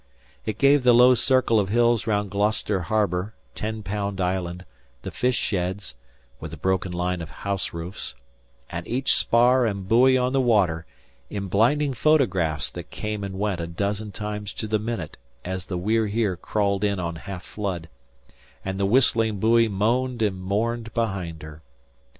It gave the low circle of hills round Gloucester Harbor, Ten Pound Island, the fish sheds, with the broken line of house roofs, and each spar and buoy on the water, in blinding photographs that came and went a dozen times to the minute as the We're Here crawled in on half flood, and the whistling buoy moaned and mourned behind her.